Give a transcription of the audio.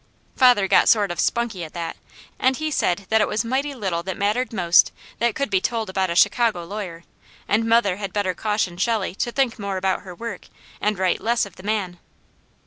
Father got sort of spunky at that, and he said it was mighty little that mattered most, that could be told about a Chicago lawyer; and mother had better caution Shelley to think more about her work, and write less of the man.